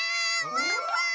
ワンワン！